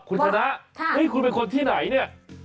คุณชนะเฮ้ยคุณเป็นคนที่ไหนเนี่ย